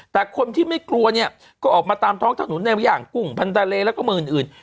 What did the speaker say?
แต่คนที่ไม่กลัวเนี่ยก็ออกมาตามท้องถนนในอย่างกุ่งพันธาเลแล้วก็มืออื่น